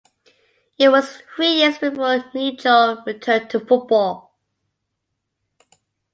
It was three years before Nicholl returned to football.